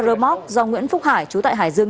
rơ móc do nguyễn phúc hải chú tại hải dương